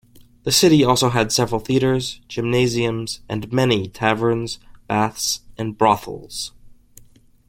The city also had several theatres, gymnasiums, and many taverns, baths and brothels.